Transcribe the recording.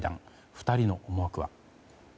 ２人の思惑は。